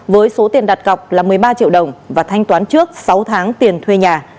với số tiền đặt cọc là một mươi ba triệu đồng và thanh toán trước sáu tháng tiền thuê nhà